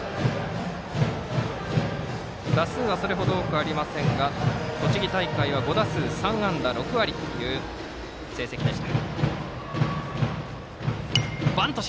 打数はそれほど多くありませんが栃木大会は５打数３安打で６割という成績でした。